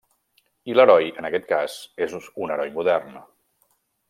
I l'heroi, en aquest cas, és un heroi modern.